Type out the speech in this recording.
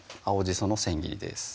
そのせん切りです